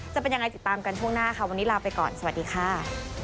จะเป็นยังไงติดตามกันช่วงหน้าค่ะวันนี้ลาไปก่อนสวัสดีค่ะ